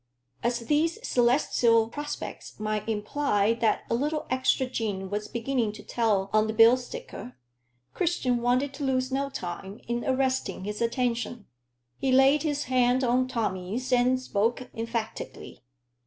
As these celestial prospects might imply that a little extra gin was beginning to tell on the bill sticker, Christian wanted to lose no time in arresting his attention. He laid his hand on Tommy's and spoke emphatically.